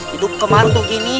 hidup kemaru tuh gini